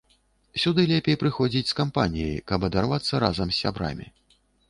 Сюды лепей прыходзіць з кампаніяй, каб адарвацца разам з сябрамі.